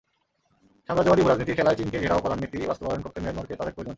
সাম্রাজ্যবাদী ভূরাজনীতির খেলায় চীনকে ঘেরাও করার নীতি বাস্তবায়ন করতে মিয়ানমারকে তাদের প্রয়োজন।